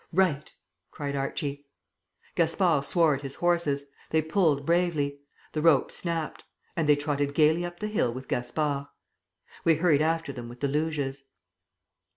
"Right!" cried Archie. Gaspard swore at his horses. They pulled bravely. The rope snapped and they trotted gaily up the hill with Gaspard. We hurried after them with the luges....